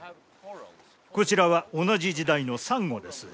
こちらは同じ時代のさんごです。